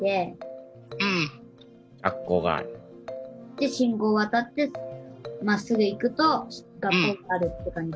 で信号渡ってまっすぐ行くと学校があるって感じ。